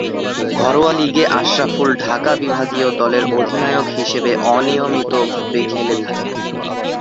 ঘরোয়া লীগে আশরাফুল ঢাকা বিভাগীয় দলের অধিনায়ক হিসেবে অনিয়মিতভাবে খেলে থাকেন।